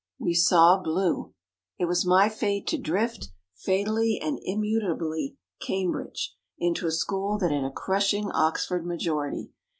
We saw blue. It was my fate to drift, fatally and im mutably Cambridge, into a school that had a crushing Oxford majority.